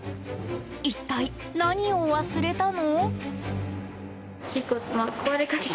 一体、何を忘れたの？